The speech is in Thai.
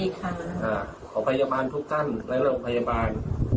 ขอพยาบาลทุกท่านและโรงพยาบาล